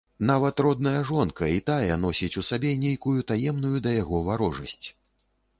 Нават родная жонка і тая носіць у сабе нейкую таемную да яго варожасць.